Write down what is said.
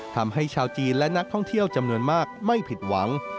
ทำให้ชาวจีนและนักท่องเที่ยวจำนวนมากไม่ผิดหวัง